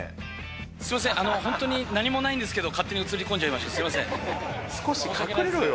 すみません、本当に何もないんですけど、勝手に映り込んじゃいました、少し隠れろよ。